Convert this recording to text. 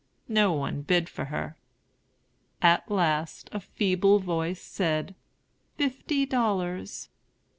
No one bid for her. At last a feeble voice said, "Fifty dollars."